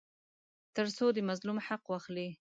تر څو د مظلوم حق واخلي.